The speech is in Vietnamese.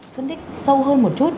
phân tích sâu hơn một chút